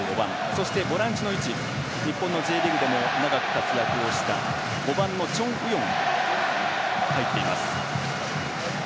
そして、ボランチの位置日本のＪリーグでも長く活躍をした５番のチョン・ウヨン入っています。